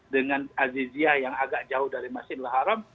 dengan al jizya yang agak jauh dari masjid al haram